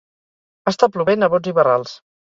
Està plovent a bots i barrals.